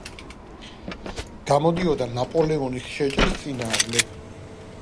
გამოდიოდა ნაპოლეონის შეჭრის წინააღმდეგ.